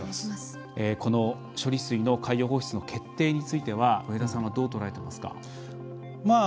この処理水の海洋放出の決定については上田さんはどう捉えていますか？